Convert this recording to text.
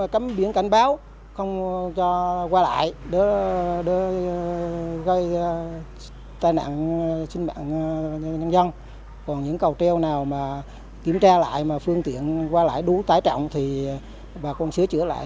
cấm biến cảnh báo không cho qua lại